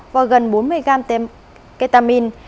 và gần bốn mươi gram ketamine